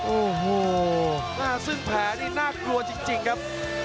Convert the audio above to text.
โอ้โหซึ่งแผลนี่น่ากลัวจริงครับ